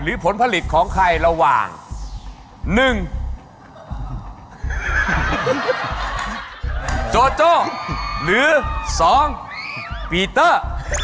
ผลผลิตของใครระหว่าง๑โจโจ้หรือ๒ปีเตอร์